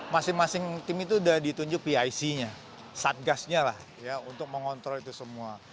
masing masing tim itu sudah ditunjuk pic nya satgasnya lah ya untuk mengontrol itu semua